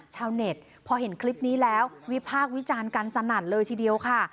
ชาวเน็ตพอเห็นคลิปนี้แล้ววิพากษ์วิจารณ์กันสนั่นเลยทีเดียวค่ะ